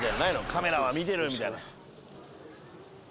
「カメラは見てる」みたいな。